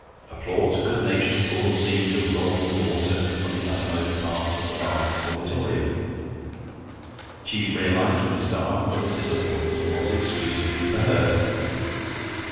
Applause good natured applause seemed to roll towards her from the uttermost parts of the vast auditorium. She realized with a start that this applause was exclusively for her.